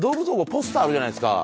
ポスターあるじゃないですか。